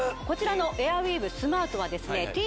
こちらのエアウィーヴスマートはですね